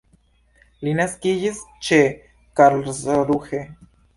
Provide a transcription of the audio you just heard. Li naskiĝis ĉe Karlsruhe.